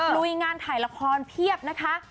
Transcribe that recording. ลุยงานถ่ายละครเพียบนะคะ